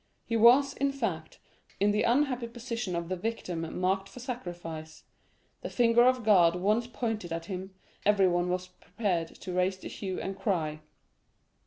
He was, in fact, in the unhappy position of the victim marked for sacrifice; the finger of God once pointed at him, everyone was prepared to raise the hue and cry.